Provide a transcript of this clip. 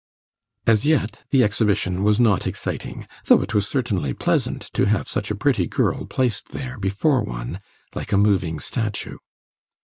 As yet the exhibition was not exciting, though it was certainly pleasant to have such a pretty girl placed there before one, like a moving statue.